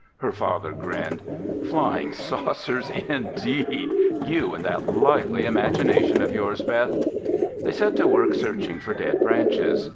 Her father grinned. "Flying Saucers indeed! You and that lively imagination of yours, Beth!" They set to work searching for dead branches.